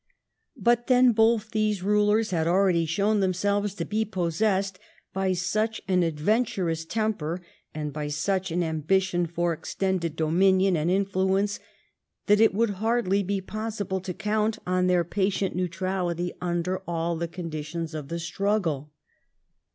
But then both these rulers had already shown themselves to be possessed by such an adventurous temper, and by such an ambition for extended dominion and influence, that it would hardly be VOL. II. B 2 THE REIGN OF QUEEN ANNE. ch. xxi. possible to count on their patient neutrality under all the conditions of the struggle.